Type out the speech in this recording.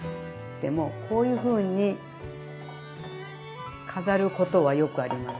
でもこういうふうに飾ることはよくあります